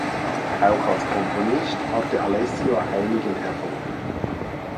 Auch als Komponist hatte Alessio einigen Erfolg.